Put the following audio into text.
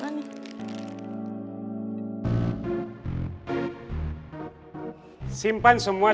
karena ujian akan segera dimulai